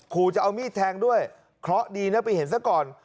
ขู่จะเอามีดแทงด้วยเคราะห์ดีนะไปเห็นซะก่อน